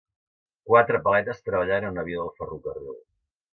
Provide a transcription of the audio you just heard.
Quatre paletes treballant en una via del ferrocarril.